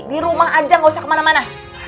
di rumah aja gak usah kemana mana